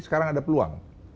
sekarang ada peluang